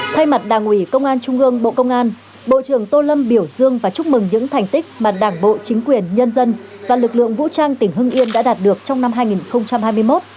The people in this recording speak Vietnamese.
thay mặt đảng ủy công an trung ương bộ công an bộ trưởng tô lâm biểu dương và chúc mừng những thành tích mà đảng bộ chính quyền nhân dân và lực lượng vũ trang tỉnh hưng yên đã đạt được trong năm hai nghìn hai mươi một